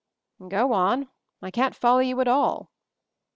"Go on — I can't follow you at all."